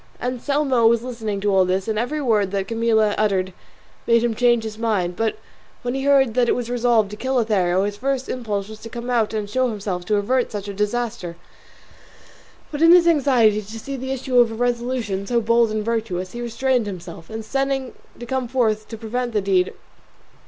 Anselmo was listening to all this, and every word that Camilla uttered made him change his mind; but when he heard that it was resolved to kill Lothario his first impulse was to come out and show himself to avert such a disaster; but in his anxiety to see the issue of a resolution so bold and virtuous he restrained himself, intending to come forth in time to prevent the deed.